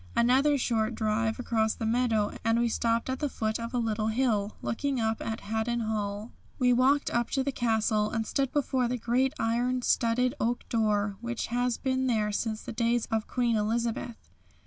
Another short drive across the meadow and we stopped at the foot of a little hill, looking up at Haddon Hall. "We walked up to the castle and stood before the great iron studded oak door, which has been there since the days of Queen Elizabeth.